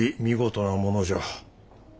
見事なものじゃ。